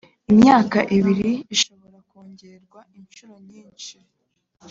imyaka ibiri ishobora kongerwa inshuro nyinshi